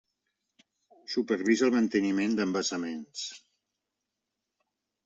Supervisa el manteniment d'embassaments.